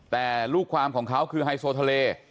แต่ลูกความของเขาคือไฮโซทะเล